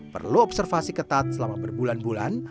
perlu observasi ketat selama berbulan bulan